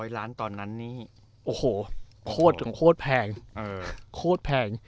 ๑๐๐ล้านตอนนั้นนี้โอ้โหโคตรแพง